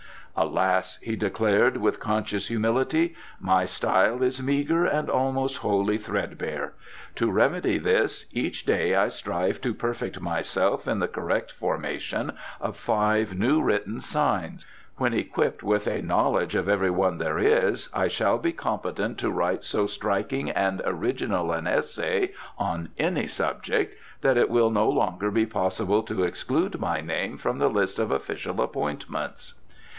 "Alas!" he declared, with conscious humility, "my style is meagre and almost wholly threadbare. To remedy this, each day I strive to perfect myself in the correct formation of five new written signs. When equipped with a knowledge of every one there is I shall be competent to write so striking and original an essay on any subject that it will no longer be possible to exclude my name from the list of official appointments."